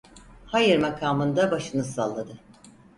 Hayır makamında başını salladı.